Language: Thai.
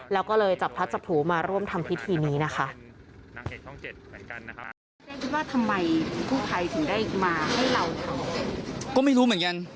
แล้วก็เลยจับพลัดจับผลูมาร่วมทำพิธีนี้นะคะ